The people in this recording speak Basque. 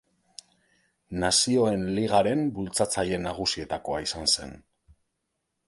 Nazioen Ligaren bultzatzaile nagusietakoa izan zen.